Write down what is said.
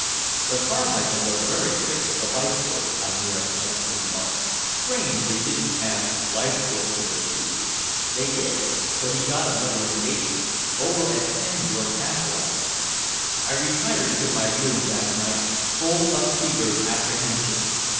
"The Carmichaels are very thick with the Leithcourts, I hear," my uncle remarked. "Strange they didn't ask Leithcourt to their shoot." "They did, but he'd got another engagement over at Kenmure Castle, I think." I retired to my room that night full of fevered apprehension.